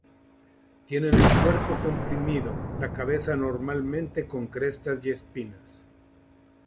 Tienen el cuerpo comprimido, la cabeza normalmente con crestas y espinas.